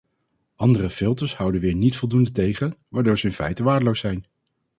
Andere filters houden weer niet voldoende tegen, waardoor ze in feite waardeloos zijn.